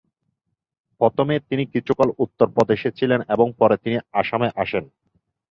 প্রথমে তিনি কিছুকাল উত্তর প্রদেশে ছিলেন এবং পরে তিনি আসামে আসেন।